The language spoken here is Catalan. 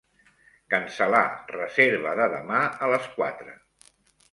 Cancel·lar reserva de demà a les quatre.